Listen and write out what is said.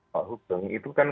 pak hukum itu kan